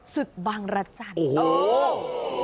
สุธบังรจันทร์